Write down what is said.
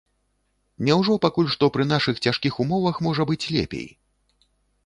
Няўжо пакуль што пры нашых цяжкіх умовах можа быць лепей?